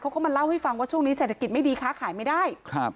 เขาก็มาเล่าให้ฟังว่าช่วงนี้เศรษฐกิจไม่ดีค้าขายไม่ได้ครับ